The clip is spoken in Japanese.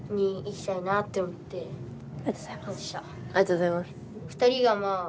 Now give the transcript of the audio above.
ありがとうございます。